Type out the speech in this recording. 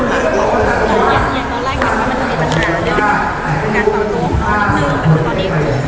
แล้วในส่วนแรกมันจะมีปัญหาเดียวกับการต่อโทษ